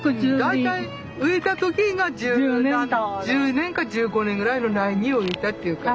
大体植えた時が１０年か１５年ぐらいの苗木を植えたっていうから。